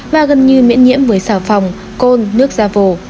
và gần như miễn nhiễm với xào phòng côn nước gia vô